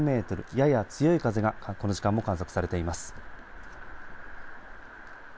やや強い風がこの時間も観測されています。